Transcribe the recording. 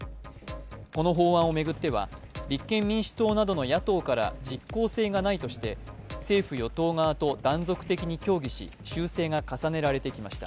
この法案を巡っては立憲民主党などの野党から政府・与党側と断続的に協議し修正が重ねられてきました。